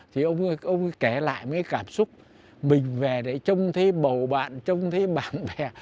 thì ông kể lại cái cảm xúc mình về đấy trông thấy bầu bạn trông thấy bạn bè